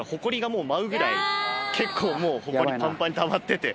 結構もうホコリパンパンにたまってて。